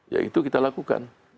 ya itu kita lakukan